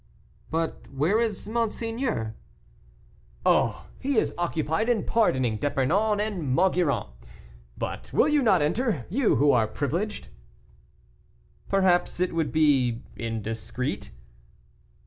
"But where is monseigneur?" "Oh! he is occupied in pardoning D'Epernon and Maugiron. But will you not enter, you who are privileged?" "Perhaps it would be indiscreet."